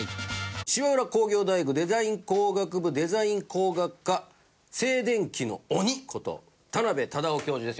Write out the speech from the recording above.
芝浦工業大学デザイン工学部デザイン工学科静電気の鬼こと田邉匡生教授です。